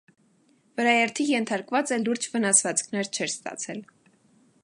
Վրաերթի ենթարկվածը լուրջ վնասվածքներ չէր ստացել։